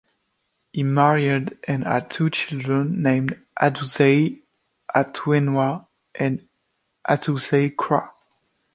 He married and had two children named Adusei Atwenewa and Adusei Kra.